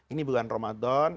ini bulan ramadan